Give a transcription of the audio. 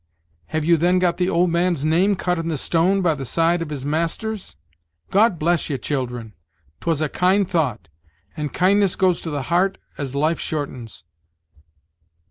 have you then got the old man's name cut in the stone, by the side of his master's! God bless ye, children! 'twas a kind thought, and kindness goes to the heart as Life shortens."